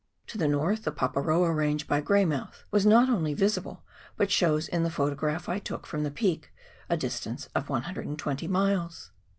To the north the Paparoa Range by Greymouth was not only visible, but shows in the photograph I took from the peak a distance of 120 miles.